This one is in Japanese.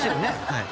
はい。